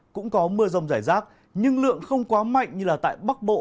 cũng có mưa rông rải rác nhưng lượng không quá mạnh như là tại bắc bộ